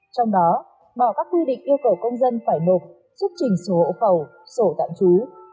trong đó bỏ các quy định yêu cầu công dân phải nộp xuất trình sổ hộ khẩu sổ tạm trú